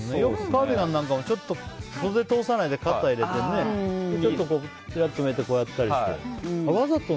カーディガンなんかもちょっと袖を通さないで肩を入れてちょっと落ちてこうやったりして。